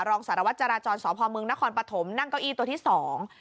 รองสารวัตรจราจรสพมนครปฐมนั่งเก้าอี้ตัวที่สอง